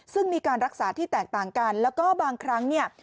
ซึ่งมีการรักษาที่แตกต่างกันแล้วก็บางครั้งเนี่ย